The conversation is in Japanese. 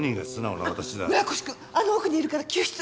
あの奥にいるから救出。